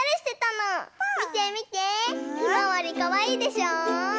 ひまわりかわいいでしょう？かわいい！